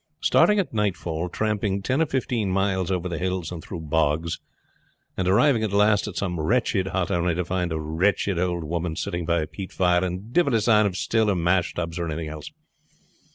Starting at nightfall, tramping ten or fifteen miles over the hills and through bogs, and arriving at last at some wretched hut only to find a wretched old woman sitting by a peat fire, and divil a sign of still or mash tubs or anything else.